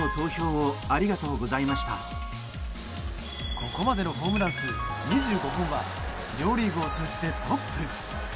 ここまでのホームラン数２５本は両リーグを通じてトップ。